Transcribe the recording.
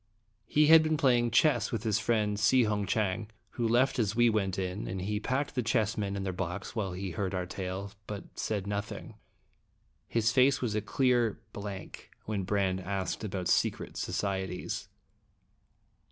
He had been playing chess with his friend Si Hung Chang, who left as we went in, and he packed the chessmen in their box while he heard our tale, but said nothing. His face was a clear blank when Brande asked about secret societies.